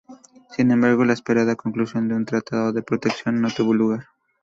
Sin embargo, la esperada conclusión de un tratado de protección no tuvo lugar.